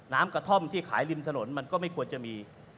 กระท่อมที่ขายริมถนนมันก็ไม่ควรจะมี